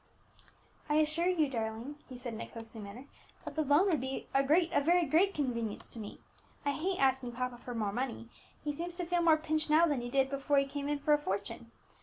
"I assure you, darling," he said in a coaxing manner, "that the loan would be a great, a very great convenience to me. I hate asking papa for more money; he seems to feel more pinched now than he did before he came in for a fortune.